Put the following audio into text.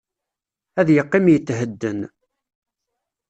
Ad yeqqim yethedden.